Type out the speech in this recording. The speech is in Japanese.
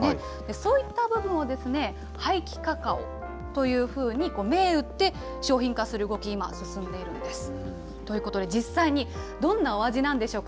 そういった部分を廃棄カカオというふうに銘打って、商品化する動き、今、進んでいるんです。ということで、実際にどんなお味なんでしょうか。